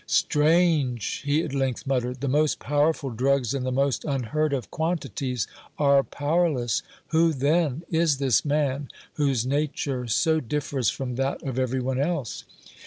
"Strange!" he at length muttered; "the most powerful drugs in the most unheard of quantities are powerless! Who, then, is this man, whose nature so differs from that of every one else?